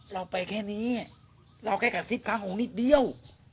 เราไปแค่นี้เราแค่กระซิบค้าหงนิดเดียว